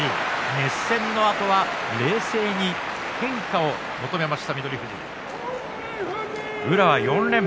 熱戦のあとは冷静に変化を求めました